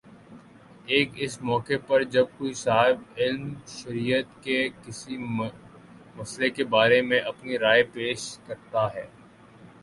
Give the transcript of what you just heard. ایک اس موقع پر جب کوئی صاحبِ علم شریعت کے کسی مئلے کے بارے میں اپنی رائے پیش کرتا ہے